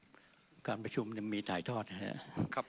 อเจมส์กรรมจากภูมิความรักขอบคุณครับ